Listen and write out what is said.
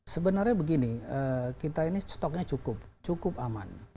sebenarnya begini kita ini stoknya cukup cukup aman